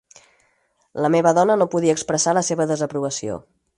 La meva dona no podia expressar la seva desaprovació.